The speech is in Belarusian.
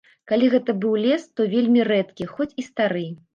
Калі гэта быў лес, то вельмі рэдкі, хоць і стары.